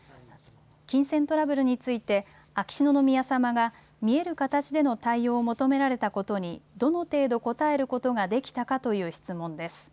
金銭トラブルについて、秋篠宮さまが見える形での対応を求められたことに、どの程度応えることができたかという質問です。